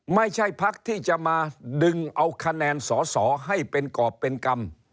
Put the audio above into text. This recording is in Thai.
ไม่ใช่พักที่จะมาดึงเอาคะแนนศศให้เป็นกรเป็นกรรม